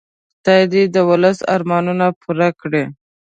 خدای دې د ولس ارمانونه پوره کړي.